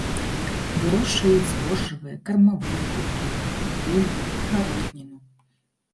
Вырошчваюць збожжавыя, кармавыя культуры, бульбу, агародніну.